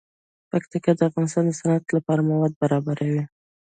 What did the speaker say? پکتیکا د افغانستان د صنعت لپاره مواد برابروي.